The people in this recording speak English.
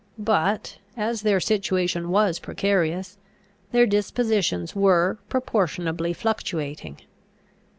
But, as their situation was precarious, their dispositions were proportionably fluctuating.